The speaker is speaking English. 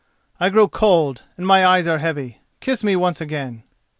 I grow cold and my eyes are heavy; kiss me once again."